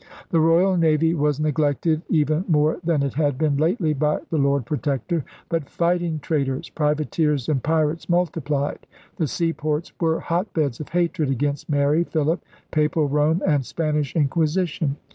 The Royal Navy was neglected even more than it had been lately by the Lord Protector. But fighting traders, privateers, and pirates multiplied. The seaports were hotbeds of hatred against Mary, Philip, Papal Rome, and Spanish Inquisition.